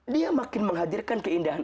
dia makin menghadirkan keindahan